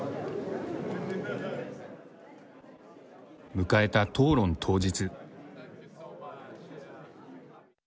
迎えた討論当日。